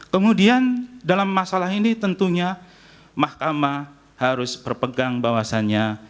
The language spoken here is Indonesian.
kemudian dalam masalah ini tentunya mahkamah harus berpegang bahwasannya